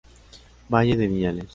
Valle de Viñales